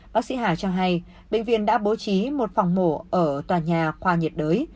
bác sĩ hà cho hay bệnh viện đã bố trí một phòng mổ ở tòa nhà khoa nhiệt đới